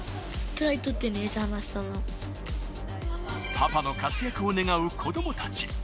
パパの活躍を願う子供たち。